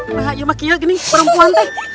apa yang kamu lakukan ini perempuan